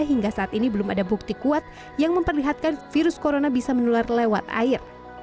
hingga saat ini belum ada bukti kuat yang memperlihatkan virus corona bisa menular lewat air